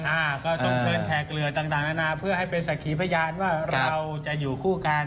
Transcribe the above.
อ่าก็ต้องเชิญแขกเรือต่างนานาเพื่อให้เป็นสักขีพยานว่าเราจะอยู่คู่กัน